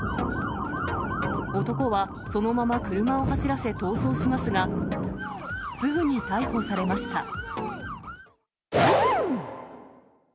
男はそのまま車を走らせ逃走しますが、すぐに逮捕されました。